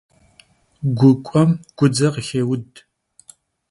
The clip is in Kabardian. Gu k'uem gudze khıxêud.